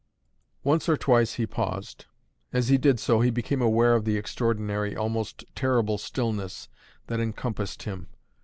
Once or twice he paused. As he did so, he became aware of the extraordinary, almost terrible stillness, that encompassed him.